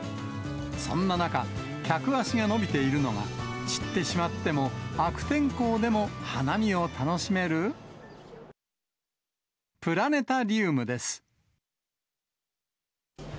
そんな中、客足が伸びているのが、散ってしまっても、悪天候でも花見を楽しめる、プラネタリウムです。